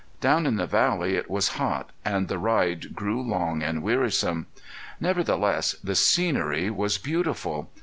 Down in the valley it was hot, and the ride grew long and wearisome. Nevertheless, the scenery was beautiful.